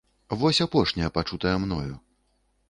Вось апошняя, пачутая мною.